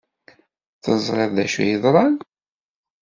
Teẓriḍ d acu ay yeḍran?